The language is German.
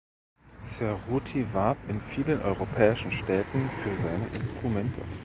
Ceruti warb in vielen europäischen Städten für seine Instrumente.